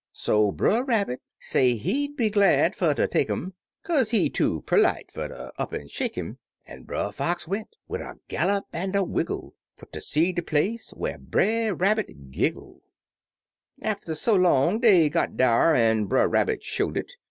So Brer Rabbit say he'd be glad fer ter take 'im, Kaze he too perlite fer ter up an' shake 'im; An' Brer Fox went, wid a gallop an' a wiggle, Fer ter see de place whar Brer Rabbit giggle. Atter so long dey got dar, an' Brer Rabbit show'd it.